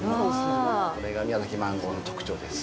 これが宮崎マンゴーの特徴です。